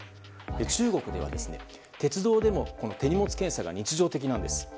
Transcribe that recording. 中国では鉄道でも手荷物検査が日常的なんです。